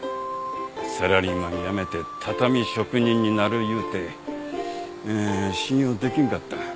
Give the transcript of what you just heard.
サラリーマン辞めて畳職人になる言うて信用出来んかった。